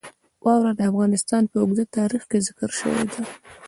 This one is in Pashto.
واوره د افغانستان په اوږده تاریخ کې ذکر شوې ده.